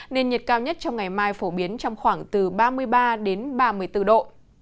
nền nhiệt cao nhất trong ngày mai phổ biến trong khoảng từ ba mươi ba ba mươi bốn độ